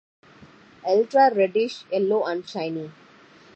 Elytra reddish yellow and shiny.